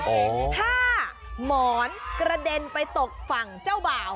โอ้โหถ้าหมอนกระเด็นไปตกฝั่งเจ้าบ่าว